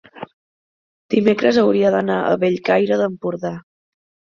dimecres hauria d'anar a Bellcaire d'Empordà.